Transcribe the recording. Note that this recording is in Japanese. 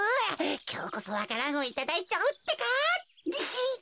きょうこそわか蘭をいただいちゃうってか。ニヒ。